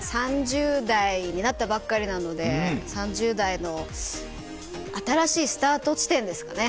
３０代になったばっかりなので３０代の新しいスタート地点ですかね。